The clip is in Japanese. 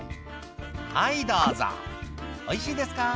「はいどうぞおいしいですか？」